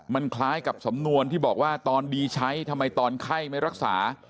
มันคล้ายกับสำนวนที่บอกว่าตอนดีใช้ทำไมตอนไข้ไม่รักษา